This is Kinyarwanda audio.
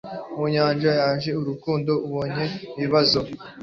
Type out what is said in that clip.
mu nyanja yuje urukundo, ubonye ibibazo